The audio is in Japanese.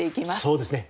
そうですね